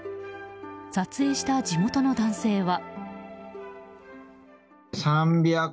撮影した地元の男性は。